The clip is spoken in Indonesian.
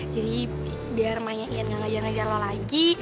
jadi biar emaknya ian gak ngajar ngajar lo lagi